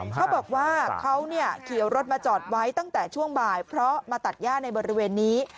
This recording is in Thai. เขาบอกว่าเขาขี่รถมาจอดไว้ตั้งแต่ช่วงบ่ายเพราะมาตัดย่าในบริเวณนี้